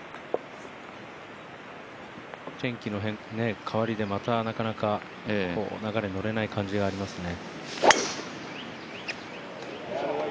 天気の変わりでまたなかなか流れに乗れない感じがありますね。